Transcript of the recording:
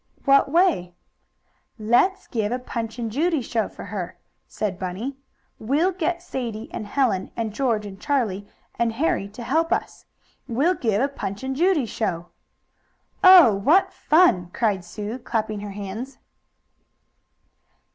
"What way?" "Let's give a Punch and Judy show for her," said Bunny. "We'll get Sadie and Helen, and George and Charlie and Harry to help us. We'll give a Punch and Judy show!" "Oh, what fun!" cried Sue, clapping her hands.